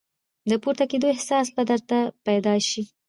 د پورته کېدو احساس به درته پیدا شي !